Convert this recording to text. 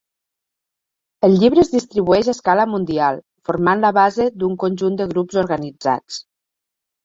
El llibre es distribueix a escala mundial, formant la base d'un conjunt de grups organitzats.